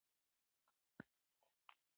خو چې ټکرې یې وخوړلې، خپل ټکي ته راغی.